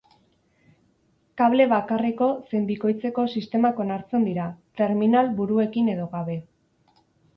Kable bakarreko zein bikoitzeko sistemak onartzen dira, terminal-buruekin edo gabe.